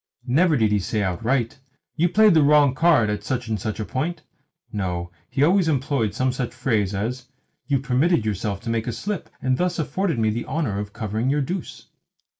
Never did he say outright, "You played the wrong card at such and such a point." No, he always employed some such phrase as, "You permitted yourself to make a slip, and thus afforded me the honour of covering your deuce."